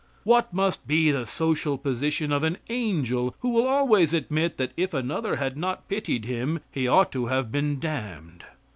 What must be the social position of an angel who will always admit that if another had not pitied him he ought to have been damned?